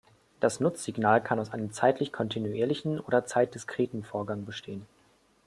Das Nutzsignal kann aus einem zeitlich kontinuierlichen oder zeitdiskreten Vorgang bestehen.